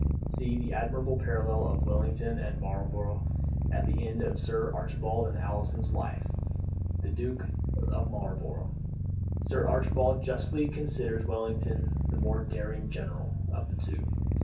[See the admirable parallel of Wellington and Marlborough at the end of Sir Archibald Alison's "Life of the Duke of Marlborough." Sir Archibald justly considers Wellington the more daring general of the two.